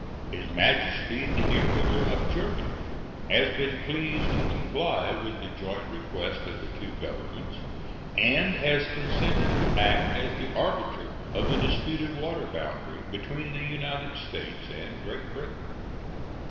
His Majesty the Emperor of Germany has been pleased to comply with the joint request of the two Governments, and has consented to act as the arbitrator of the disputed water boundary between the United States and Great Britain.